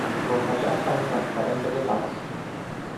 Vom face asta în transparență totală.